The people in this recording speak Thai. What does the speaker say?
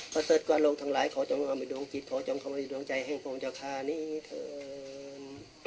พระเสริฐกว้าโลกทั้งหลายขอจงอมิดวงกีธขอจงขอมิดวงใจแห้งพรวงเจ้าค่านี้เถิ่ม